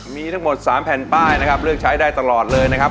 มีทั้งหมด๓แผ่นป้ายนะครับเลือกใช้ได้ตลอดเลยนะครับ